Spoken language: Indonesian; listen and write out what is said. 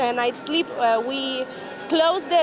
kami dapat tidur malam yang baik